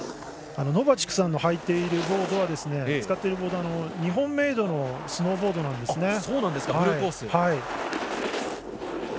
ノバチクさんの使っているボードは日本メイドのスノーボードなんですね。